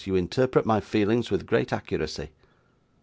'You interpret my feelings with great accuracy.